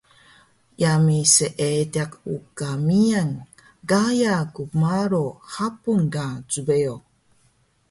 Yami Seediq uka miyan gaya kmaro habung ka cbeyo